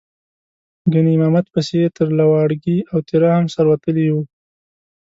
ګنې امامت پسې یې تر لواړګي او تیرا هم سر وتلی و.